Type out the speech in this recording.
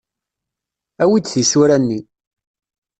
Awi-d tisura-nni.